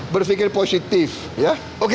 berpikir positif ya oke